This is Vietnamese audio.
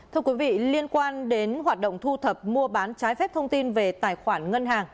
thưa quý vị liên quan đến hoạt động thu thập mua bán trái phép thông tin về tài khoản ngân hàng